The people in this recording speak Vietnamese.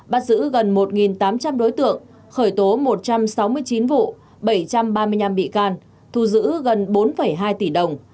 bắt giữ gần một tám trăm linh đối tượng khởi tố một trăm sáu mươi chín vụ bảy trăm ba mươi năm bị can thu giữ gần bốn hai tỷ đồng